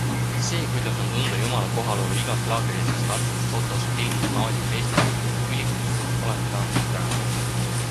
See, kuidas on tunda Jumala kohalolu igas laagrilises, tantsus, fotos, filmis, maalis, meisterduses ning ülistuses, kutsub alati laagrisse tagasi!